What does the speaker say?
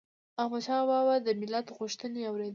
احمدشاه بابا به د ملت غوښتنې اوريدي